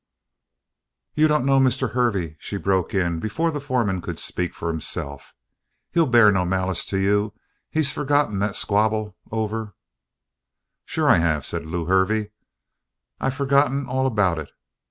"You don't know Mr. Hervey," she broke in before the foreman could speak for himself. "He'll bear no malice to you. He's forgotten that squabble over " "Sure I have," said Lew Hervey. "I've forgotten all about it.